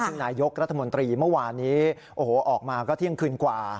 ที่นายกระถมตรีเมื่อวานนี้ออกมาก็เที่ยงคืนกว่า